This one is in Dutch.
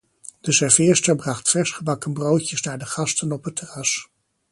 De serveerster bracht versgebakken broodjes naar de gasten op het terras.